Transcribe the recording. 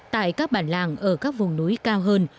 tại các bản làng ở các vùng núi cao hơn